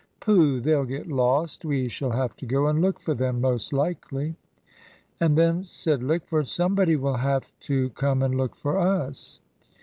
Pooh! They'll get lost. We shall have to go and look for them, most likely." "And then," said Lickford, "somebody will have to come and look for us."